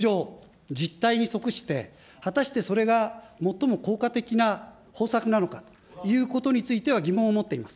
しかし、わが国の国情、実態にそくして、果たしてそれが最も効果的な方策なのかということについては、疑問を持っています。